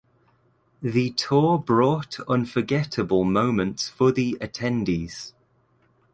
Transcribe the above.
The tour brought unforgettable moments for the attendees.